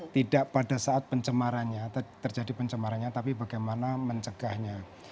tidak pada saat pencemarannya terjadi pencemarannya tapi bagaimana mencegahnya